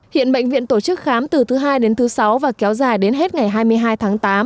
hiện bệnh viện tổ chức khám từ thứ hai đến thứ sáu và kéo dài đến hết ngày hai mươi hai tháng tám